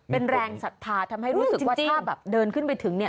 เป็นแรงศรัทธาทำให้รู้สึกว่าถ้าแบบเดินขึ้นไปถึงเนี่ย